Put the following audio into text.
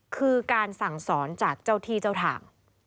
คือการสั่งสอนจากเจ้าที่เจ้าทาง